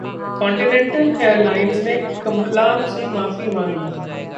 continental Airlines ने कलाम से माफी मांगी